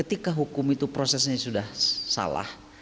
itu prosesnya sudah salah